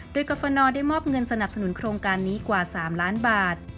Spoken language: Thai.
โดยกรฟนได้มอบเงินสนับสนุนโครงการนี้กว่า๓ล้านบาท